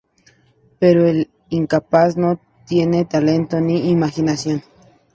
Pero es incapaz; no tiene talento ni imaginación...